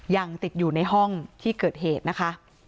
ยังติดอยู่ในห้องที่เกิดเหตุนะคะ